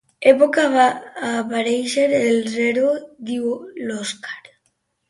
Època va aparèixer el zero —diu l'Òskar—.